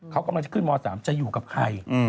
เขากำลังจะขึ้นม๓จะอยู่กับใคร